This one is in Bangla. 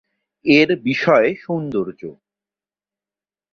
এর বিষয় সৌন্দর্য।